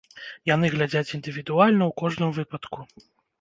Яны глядзяць індывідуальна ў кожным выпадку.